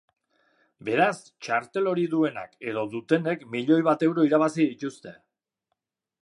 Beraz, txartel hori duenak edo dutenek milioi bat euro irabazi dituzte.